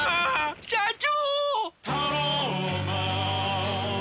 社長！